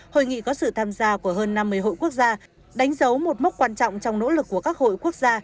hội nghị có sự tham gia của hơn năm mươi hội quốc gia đánh dấu một mốc quan trọng trong nỗ lực của các hội quốc gia